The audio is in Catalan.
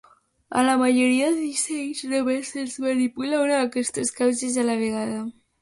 A la majoria de dissenys, només es manipula una d'aquestes causes a la vegada.